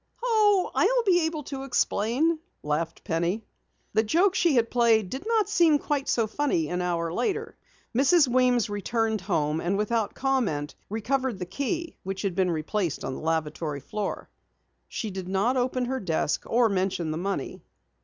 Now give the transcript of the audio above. "Oh, I'll be able to explain," laughed Penny. The joke she had played did not seem quite so funny an hour later. Mrs. Weems returned home and without comment recovered the key which had been replaced on the lavatory floor. She did not open her desk or mention the money.